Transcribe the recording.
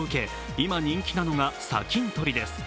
今、人気なのが砂金採りです。